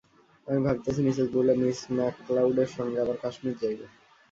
আমি ভাবিতেছি, Mrs Bull ও মিস ম্যাকলাউডের সঙ্গে আবার কাশ্মীর যাইব।